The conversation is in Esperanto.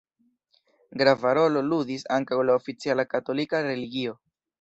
Grava rolo ludis ankaŭ la oficiala katolika religio.